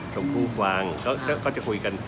ดูความคุยกัน